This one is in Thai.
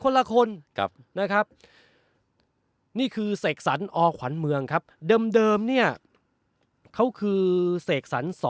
ละคนนะครับนี่คือเสกสรรอขวัญเมืองครับเดิมเนี่ยเขาคือเสกสรร๒